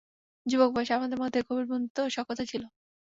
যুবক বয়সে আমাদের মধ্যে গভীর বন্ধুত্ব ও সখ্যতা ছিল।